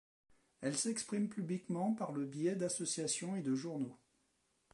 Elles s'expriment publiquement par le biais d’associations et de journaux.